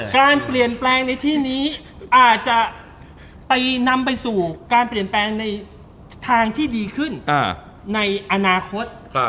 การเปลี่ยนแปลงในที่นี้อาจจะไปนำไปสู่การเปลี่ยนแปลงในทางที่ดีขึ้นในอนาคต